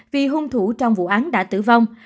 vì hung thủ trong vụ án đã tử vong